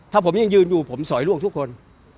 ถ้าผมยังยืนอยู่ผมสอยล่วงทุกคน